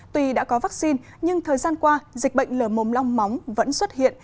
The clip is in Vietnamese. tuy đã có vaccine nhưng thời gian qua dịch bệnh lở mồm long móng vẫn xuất hiện